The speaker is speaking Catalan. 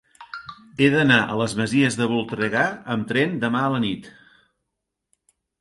He d'anar a les Masies de Voltregà amb tren demà a la nit.